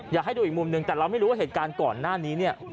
อยากให้ดูอีกมุมหนึ่งแต่เราไม่รู้ว่าเหตุการณ์ก่อนหน้านี้เนี่ย